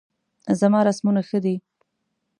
زما رسمونه ښه دي